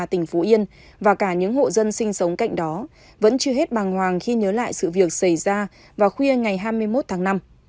tỉnh phú yên và cả những hộ dân sinh sống cạnh đó vẫn chưa hết bàng hoàng khi nhớ lại sự việc xảy ra vào khuya ngày hai mươi một tháng năm